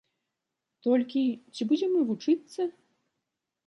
Толькі ці будзем мы вучыцца?